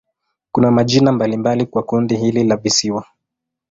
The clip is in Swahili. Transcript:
Kuna majina mbalimbali kwa kundi hili la visiwa.